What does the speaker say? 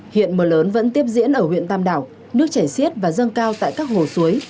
hiện mưa lớn vẫn tiếp diễn ở huyện tam đảo nước chảy xiết và dâng cao tại các hồ suối